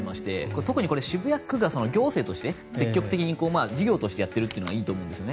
特に渋谷区が行政として積極的に事業としてやっているというのがいいと思うんですよね。